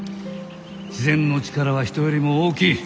自然の力は人よりも大きい。